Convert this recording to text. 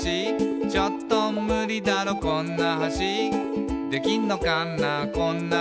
「ちょっとムリだろこんな橋」「できんのかなこんな橋」